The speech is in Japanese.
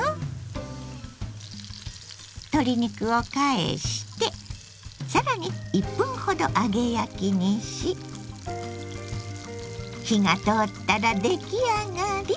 鶏肉を返して更に１分ほど揚げ焼きにし火が通ったら出来上がり！